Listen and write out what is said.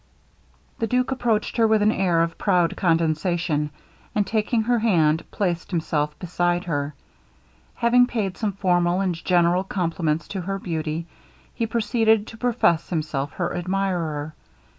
The duke approached her with an air of proud condescension; and taking her hand, placed himself beside her. Having paid some formal and general compliments to her beauty, he proceeded to profess himself her admirer.